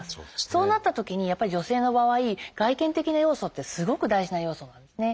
そうなったときにやっぱり女性の場合外見的な要素ってすごく大事な要素なんですね。